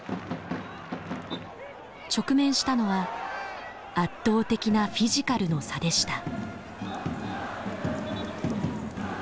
直面したのは圧倒的なフィジカルの差でした。